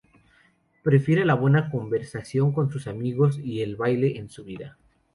Prefiere la buena conversación con sus amigos y el baile en su vida.